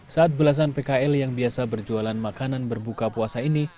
saat belasan pkl yang biasa berjualan makanan berbuka puasa ini